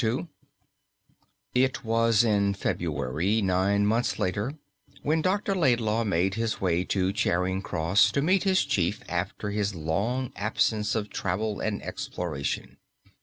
2 It was in February, nine months later, when Dr. Laidlaw made his way to Charing Cross to meet his chief after his long absence of travel and exploration.